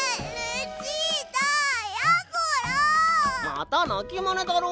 またなきまねだろ？